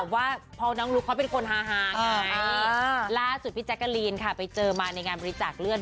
วันนี้แจ๊กกะลินเขียน